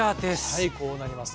はいこうなります。